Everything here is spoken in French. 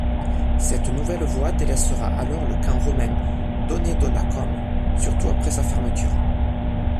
Cette nouvelle voie délaissera alors le camp romain d’Aunedonnacum, surtout après sa fermeture.